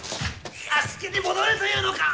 屋敷に戻れと言うのか！